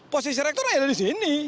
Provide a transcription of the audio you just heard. posisi rektor ada di sini